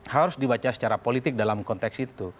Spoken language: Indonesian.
harus dibaca secara politik dalam konteks itu